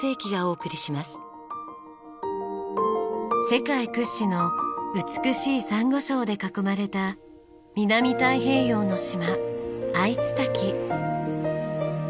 世界屈指の美しいサンゴ礁で囲まれた南太平洋の島アイツタキ。